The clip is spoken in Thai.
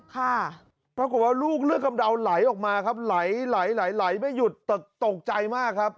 ค่ะปรากฏว่าลูกเลือดกำเดาไหลออกมาครับไหลไหลไม่หยุดตกใจมากครับ